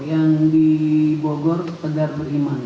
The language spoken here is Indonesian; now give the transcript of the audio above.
yang di bogor pedar beriman